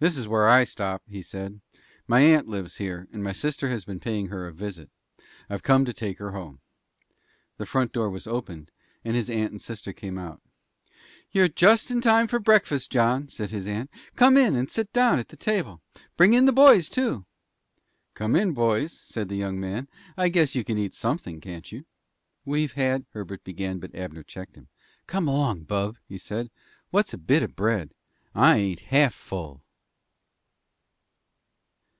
"This is where I stop," he said. "My aunt lives here, and my sister has been paying her a visit. I've come to take her home." The front door was opened, and his aunt and sister came out. "You're just in time for breakfast, John," said his aunt. "Come in and sit down to the table. Bring in the boys, too." "Come in, boys," said the young man. "I guess you can eat something, can't you?" "We've had " Herbert began, but Abner checked him. "Come along, bub," he said. "What's a bit of bread? I ain't half full."